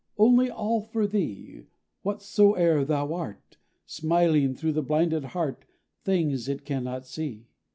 Only, all, for thee Whatsoe'er thou art, Smiling through the blinded heart, things it cannot see.